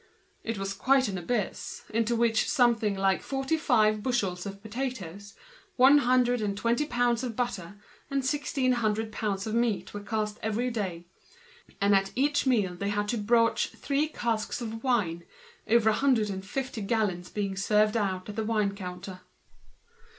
It was quite an abyss, into which was thrown daily something like forty five bushels of potatoes, one hundred and twenty pounds of butter, and sixteen hundred pounds of meat; and at each meal they had to broach three casks of wine, over a hundred and fifty gallons were served out at the wine counter.